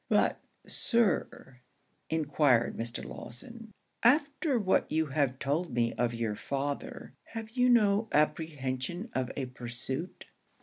'But, Sir,' enquired Mr. Lawson, 'after what you have told me of your father, have you no apprehension of a pursuit?'